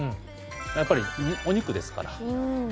やっぱりお肉ですから。